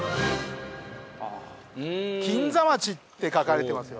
「金座町」って書かれてますよね。